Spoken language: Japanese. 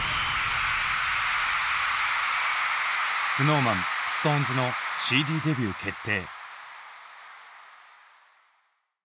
ＳｎｏｗＭａｎＳｉｘＴＯＮＥＳのＣＤデビュー決定。